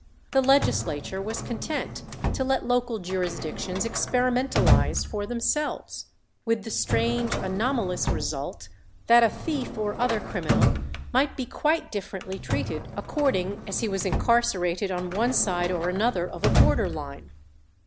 The legislature was content to let local jurisdictions experimentalize for themselves; with the strange, anomalous result, that a thief or other criminal might be quite differently treated according as he was incarcerated on one side or another of a border line.